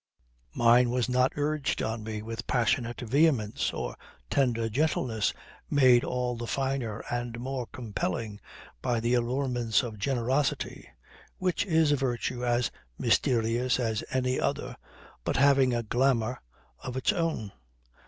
Mine was not urged on me with passionate vehemence or tender gentleness made all the finer and more compelling by the allurements of generosity which is a virtue as mysterious as any other but having a glamour of its own.